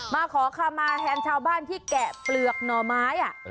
มาขอคำมาแทนชาวบ้านที่แกะเปลือกหน่อไม้